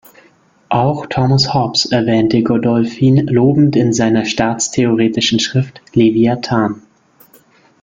Auch Thomas Hobbes erwähnte Godolphin lobend in seiner staatstheoretischen Schrift "Leviathan".